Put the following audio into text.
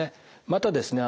またですね